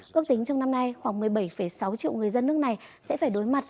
ước tính trong năm nay khoảng một mươi bảy sáu triệu người dân nước này sẽ phải đối mặt